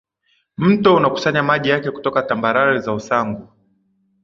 mto unakusanya maji yake kutoka tambarare za usangu